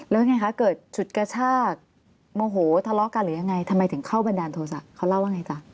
แล้วไงคะเกิดฉุดกระชากโมโหทะเลาะกันหรือยังไงทำไมถึงเข้าบันดาลโทษะเขาเล่าว่าไงจ๊ะ